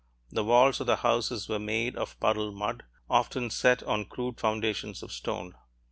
The walls of the houses were made of puddled mud, often set on crude foundations of stone.